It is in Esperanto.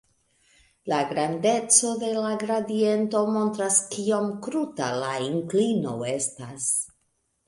La grandeco de la gradiento montras kiom kruta la inklino estas.